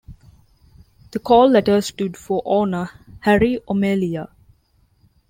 The call letters stood for owner Harry O'Melia.